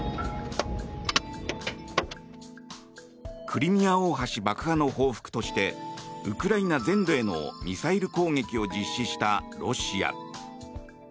クリミア大橋爆破の報復としてウクライナ全土へのミサイル攻撃を実施したロシア。